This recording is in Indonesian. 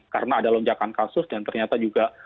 karena ada lonjakan kasus dan ternyata juga